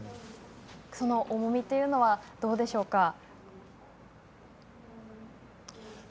その重みというのはどうでしょうか。